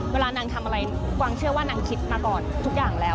เวลานางทำอะไรกวางเชื่อว่านางคิดมาก่อนทุกอย่างแล้ว